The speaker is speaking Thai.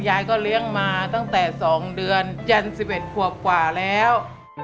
ยายก็เลี้ยงมาตั้งแต่๒เดือนจันทร์๑๑ขวบกว่าแล้ว